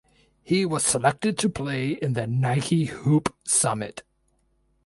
He was selected to play in the Nike Hoop Summit.